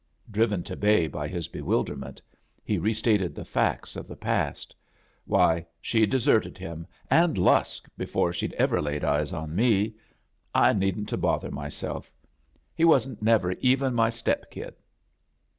Driven to bay by his bewilderment, he restated the facts of the past. "Why, she'd deserted him and Lusk before she'd ever laid eyes on me. I needn't to bother myself. He wasn't never even my step kid."